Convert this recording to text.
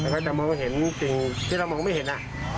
แล้วก็จะมองเห็นสิ่งที่เรามองไม่เห็น